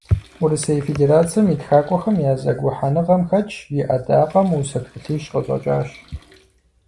Урысей Федерацэм и ТхакӀуэхэм я зэгухьэныгъэм хэтщ, и Ӏэдакъэм усэ тхылъищ къыщӀэкӀащ.